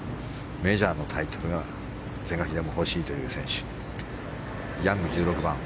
メジャーのタイトルが是が非でも欲しいという選手。